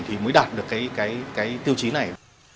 thì mới đạt được cái tiêu chí này